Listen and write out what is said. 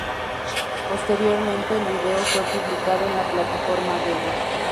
Posteriormente el video fue publicado en la plataforma Vevo.